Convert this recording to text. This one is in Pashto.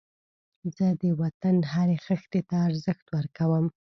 زه د وطن هرې خښتې ته ارزښت ورکوم